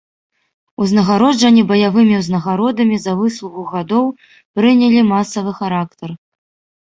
Узнагароджанні баявымі ўзнагародамі за выслугу гадоў прынялі масавы характар.